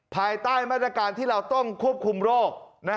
ภายใต้มาตรการที่เราต้องควบคุมโรค